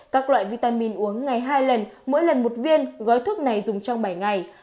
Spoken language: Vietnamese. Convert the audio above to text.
các loại vitamin uống ngày hai lần mỗi lần một viên gói thuốc này dùng trong bảy ngày